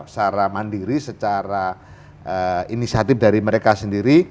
secara mandiri secara inisiatif dari mereka sendiri